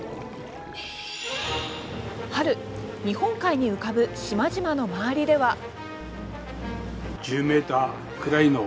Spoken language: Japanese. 春、日本海に浮かぶ島々の周りでは。